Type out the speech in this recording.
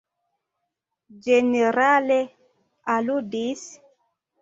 Ĝenerale, aludis?